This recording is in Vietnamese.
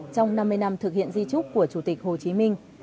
trong năm mươi năm thực hiện di trúc của chủ tịch hồ chí minh